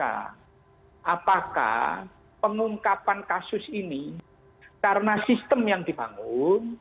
apakah pengungkapan kasus ini karena sistem yang dibangun